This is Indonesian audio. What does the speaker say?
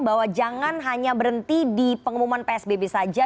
bahwa jangan hanya berhenti di pengumuman psbb saja